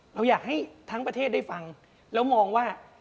เราอยากให้ทั้งประเทศได้ฟังแล้วมองว่า